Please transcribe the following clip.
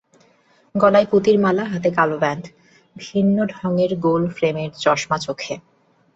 গলায় পুঁতির মালা, হাতে কালো ব্যান্ড, ভিন্ন ঢঙের গোল ফ্রেমের চশমা চোখে।